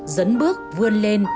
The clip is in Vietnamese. dấn bước vươn lên